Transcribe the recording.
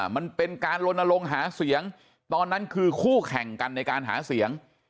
มันเป็นการลนลงหาเสียงตอนนั้นคือคู่แข่งกันในการหาเสียง